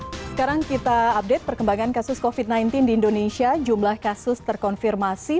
hai sekarang kita update perkembangan kasus kofit sembilan belas di indonesia jumlah kasus terkonfirmasi